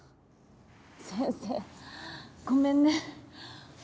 先生ごめんね。